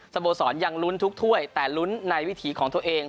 โมสรยังลุ้นทุกถ้วยแต่ลุ้นในวิถีของตัวเอง